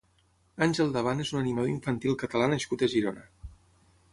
Àngel Daban és un animador infantil catala nascut a Girona.